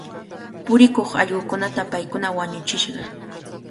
Purikuq allqukunata paykuna wañuchishqa.